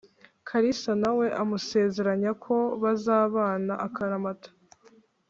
kalisa nawe amusezeranya ko bazabana akaramata